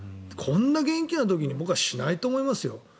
こんな元気な時に僕はしないと思いますよ。